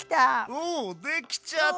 おお出来ちゃった！